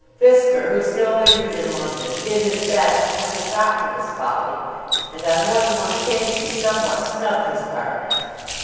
Fisker, who still lingered in London, did his best to put a stop to this folly, and on more than one occasion somewhat snubbed his partner.